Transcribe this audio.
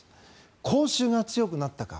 口臭が強くなったか？